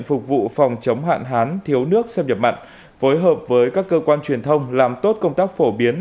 phục vụ phòng chống hạn hán thiếu nước xâm nhập mặn phối hợp với các cơ quan truyền thông làm tốt công tác phổ biến